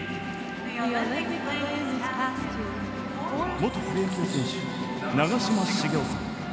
元プロ野球選手、長嶋茂雄さん。